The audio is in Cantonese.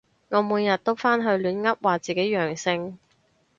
我每日都返去亂噏話自己陽性